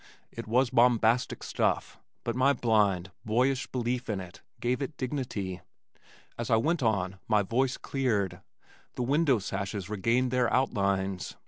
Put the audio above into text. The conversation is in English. It was bombastic stuff, but my blind, boyish belief in it gave it dignity. As I went on my voice cleared. The window sashes regained their outlines.